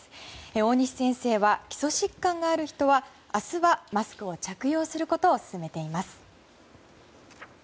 大西先生は、基礎疾患がある人は明日はマスクを着用することを勧めています。